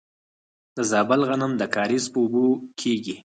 د زابل غنم د کاریز په اوبو کیږي.